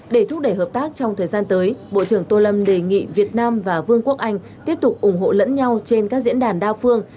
bộ trưởng tô lâm đề nghị việt nam và vương quốc anh tiếp tục ủng hộ lẫn nhau trên các diễn đàn đa phương